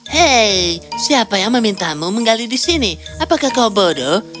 hei siapa yang memintamu menggali di sini apakah kau bodoh